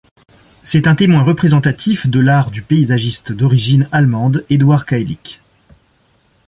C'est un témoin représentatif de l'art du paysagiste d'origine allemande Édouard Keilig.